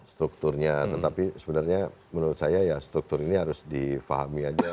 strukturnya tetapi sebenarnya menurut saya ya struktur ini harus difahami aja